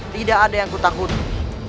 tidak ada yang kutakuti